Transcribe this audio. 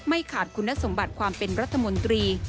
ขาดคุณสมบัติความเป็นรัฐมนตรี